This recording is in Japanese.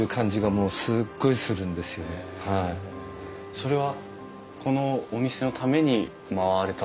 それはこのお店のために回られた？